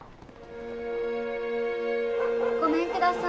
ごめんください。